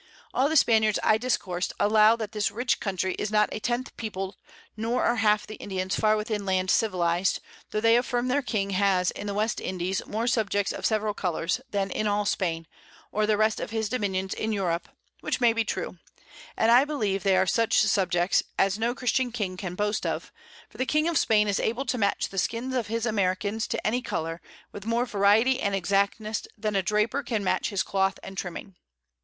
All the Spaniards I discours'd allow that this rich Country is not a tenth peopled, nor are half the Indians far within Land civilized, tho' they affirm their King has in the West Indies more Subjects of several Colours, than in all Spain, or the rest of his Dominions in Europe (which may be true) and I believe they are such Subjects, as no Christian King can boast of; for the King of Spain is able to match the Skins of his Americans to any Colour, with more Variety and Exactness than a Draper can match his Cloth and Trimming.